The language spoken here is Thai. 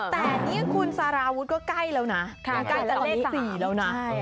แต่คุณสารวุฒิก็ใกล้แล้วนะ